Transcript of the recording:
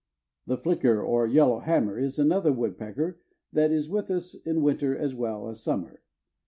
The flicker or yellow hammer is another woodpecker that is with us in winter as well as summer.